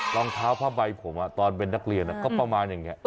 รองเท้าผ้าใบผมตอนเป็นนักเรียนก็ประมาณอย่างนี้